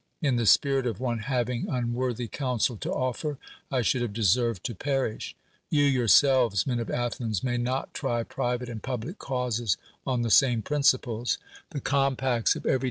In the spirit of one having un worthy counsel to offer? — T should luivf.' deserved to perish ! You yourselves, men of Athens, may not try priv.'ste and public causes on lh(^ same prinfir>l<'S : the compacts of every